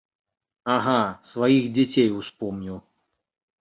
Ага, сваіх дзяцей успомніў!